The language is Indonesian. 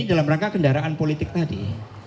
dalam rangka kendaraan politik tadi